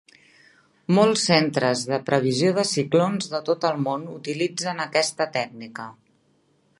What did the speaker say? Molts centres de previsió de ciclons de tot el món utilitzen aquesta tècnica.